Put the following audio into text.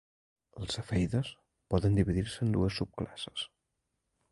Les cefeides poden dividir-se en dues subclasses.